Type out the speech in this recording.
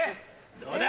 どうだ！